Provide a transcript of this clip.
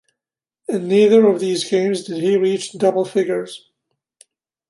In neither of these games did he reach double figures.